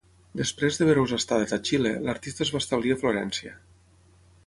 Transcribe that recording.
Després de breus estades a Xile, l'artista es va establir a Florència.